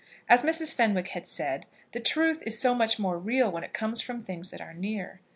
As Mrs. Fenwick had said, the truth is so much more real when it comes from things that are near.